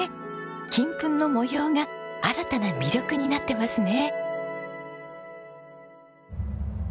金粉の模様が新たな魅力になってますね。